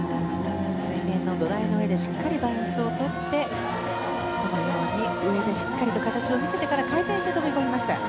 水面の土台の上でしっかりバランスをとって上でしっかりと形を見せてから回転して飛び込みました。